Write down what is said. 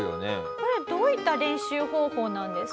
これどういった練習方法なんですか？